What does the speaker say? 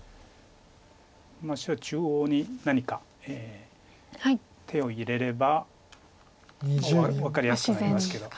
今白中央に何か手を入れれば分かりやすくなりますけど。